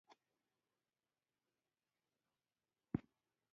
هلک ښه نیت لري.